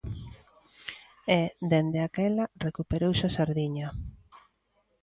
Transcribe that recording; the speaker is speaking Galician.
E, dende aquela, recuperouse a sardiña.